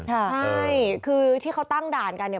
ใช่คือที่เขาตั้งด่านกันเนี่ย